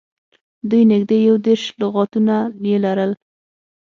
دوی نږدې یو دېرش لغاتونه یې لرل